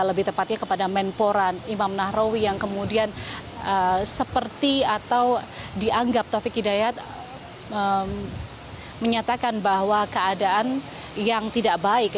lebih tepatnya kepada menpora imam nahrawi yang kemudian seperti atau dianggap taufik hidayat menyatakan bahwa keadaan yang tidak baik